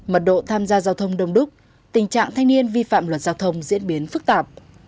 mật độ tham gia giao thông đông đúc tình trạng thanh niên vi phạm luật giao thông diễn biến phức tạp